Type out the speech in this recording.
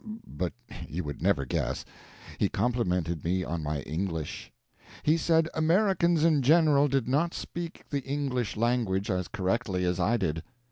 But you would never guess. He complimented me on my English. He said Americans in general did not speak the English language as correctly as I did.